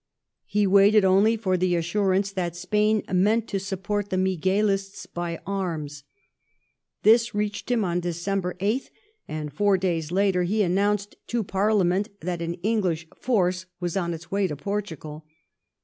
He waited only for the assur ance that Spain meant to support the Miguelists by arms. This reached him on December 8th, and four days later he announced to Parliament that an English force was on its way to Portugal.